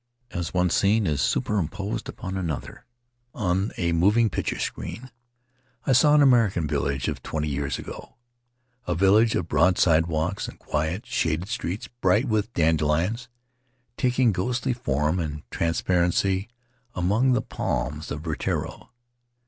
As one scene is superimposed upon another on a moving picture screen, I saw an American village of twenty years ago — a village of board sidewalks and quiet, shaded streets bright with dandelions, taking ghostly form and transparency among the palms of Rutiaro.